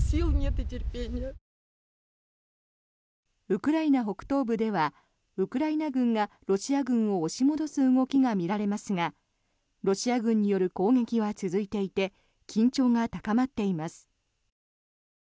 ウクライナ北東部ではウクライナ軍がロシア軍を押し戻す動きが見られますがロシア軍による攻撃は続いていて緊張が高まっています。